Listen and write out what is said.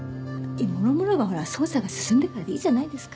もろもろはほら捜査が進んでからでいいじゃないですか。